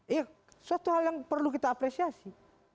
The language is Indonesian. iya suatu hal yang perlu kita apresiasi